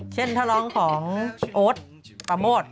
เช่นท้องร้องของโอ๊ตปะโมด